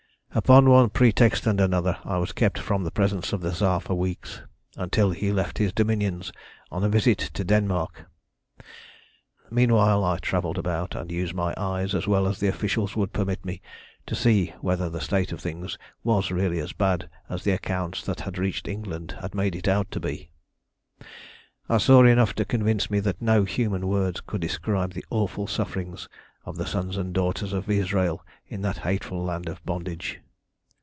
"Upon one pretext and another I was kept from the presence of the Tsar for weeks, until he left his dominions on a visit to Denmark. "Meanwhile I travelled about, and used my eyes as well as the officials would permit me, to see whether the state of things was really as bad as the accounts that had reached England had made it out to be. "I saw enough to convince me that no human words could describe the awful sufferings of the sons and daughters of Israel in that hateful land of bondage.